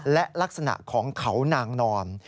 และลักษณะของเขานางนอน